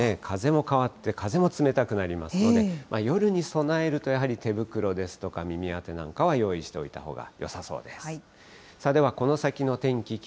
風も変わって、風も冷たくなりますので、夜に備えると、やはり手袋ですとか、耳あてなんかは用意しておいたほうがよさそうです。